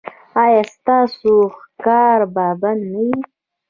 ایا ستاسو ښکار به بند نه وي؟